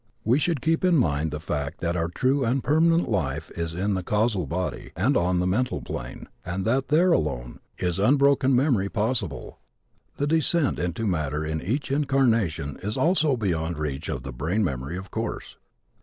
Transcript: We should keep in mind the fact that our true and permanent life is in the causal body, and on the mental plane, and that there, alone, is unbroken memory possible. The descent into matter in each incarnation is also beyond reach of the brain memory, of course.